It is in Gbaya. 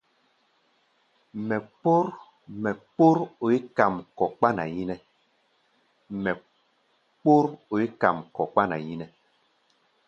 Mɛ kpór oí kam kɔ kpána yínɛ́.